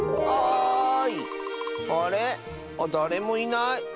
あっだれもいない。